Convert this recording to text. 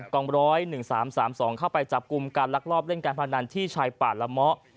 กองร้อย๑๓๓๒เข้าไปจับกลุ่มการลักลอบเล่นการพนันที่ชายป่าละเมาะ